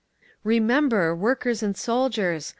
"REMEMBER, WORKERS AND SOLDIERS!